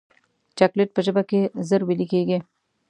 چاکلېټ په ژبه کې ژر ویلې کېږي.